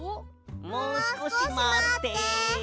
もうすこしまって！